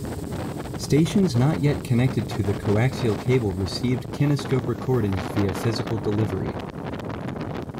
Stations not yet connected to the coaxial cable received kinescope recordings via physical delivery.